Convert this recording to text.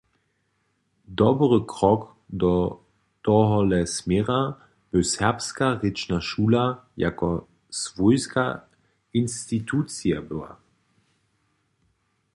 Dobry krok do tohole směra by serbska rěčna šula jako swójska institucija była.